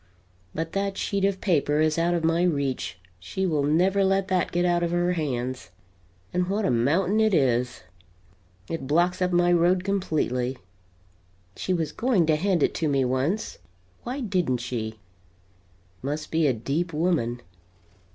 But that sheet of paper is out of my reach she will never let that get out of her hands. And what a mountain it is! It blocks up my road, completely. She was going to hand it to me, once. Why didn't she! Must be a deep woman.